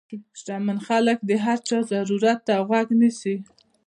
شتمن خلک د هر چا ضرورت ته غوږ نیسي.